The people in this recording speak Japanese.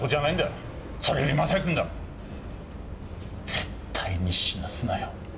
絶対に死なすなよ。